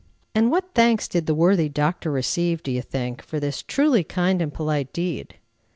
And what thanks did the worthy Doctor receive, do you think, for this truly kind and polite deed?